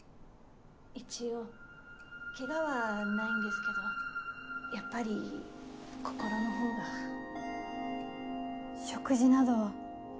・一応ケガはないんですけどやっぱり心のほうが・食事などは。